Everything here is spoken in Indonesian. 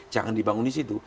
jangan dibangun di situ